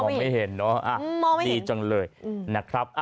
มองไม่เห็นดีจังเลยนะครับ